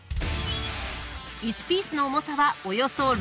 １ピースの重さはおよそ６０ｇ。